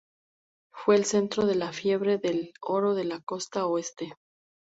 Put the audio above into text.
Fue el centro de la fiebre del oro de la Costa Oeste.